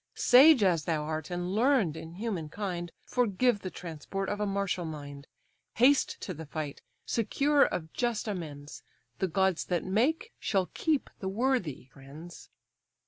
Sage as thou art, and learn'd in human kind, Forgive the transport of a martial mind. Haste to the fight, secure of just amends; The gods that make, shall keep the worthy, friends."